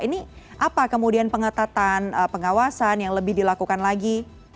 ini apa kemudian pengetatan pengawasan yang lebih dilakukan lagi